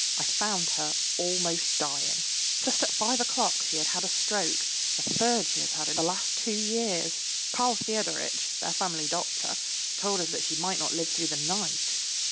I found her almost dying. Just at five o'clock she had had a stroke, the third she has had in the last two years. Karl Fyodoritch, their family doctor, told us that she might not live through the night.